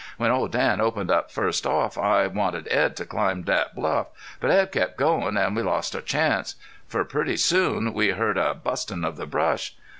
When Old Dan opened up first off I wanted Edd to climb thet bluff. But Edd kept goin' an' we lost our chance. Fer pretty soon we heard a bustin' of the brush.